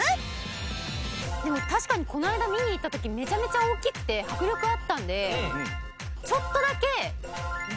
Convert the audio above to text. でも確かにこの間見に行った時めちゃめちゃ大きくて迫力あったんで。